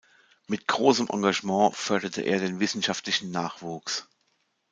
Mit großem Engagement förderte er den wissenschaftlichen Nachwuchs.